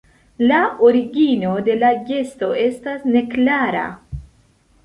La origino de la gesto estas neklara.